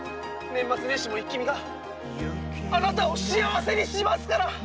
年末年始も「イッキ見！」があなたを幸せにしますから！